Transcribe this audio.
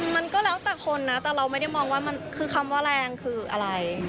มันก็แล้วแต่คนนะแต่เราไม่ได้มองว่ามันคือคำว่าแรงคืออะไร